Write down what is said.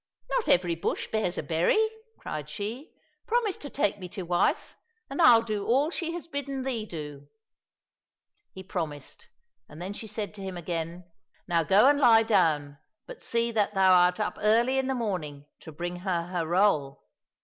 " Not every bush bears a berry !" cried she. " Promise to take me to wife, and I'll do all she has bidden thee do." He promised, and then she said to him again, '' Now go and lie down, but see that thou art up early in the morning to bring her her roll."